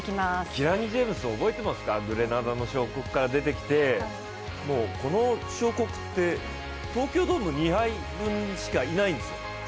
キラニ・ジェームズ覚えていますかグレナダの小国から出てきてこの小国って東京ドーム２杯分しかいないんですよ。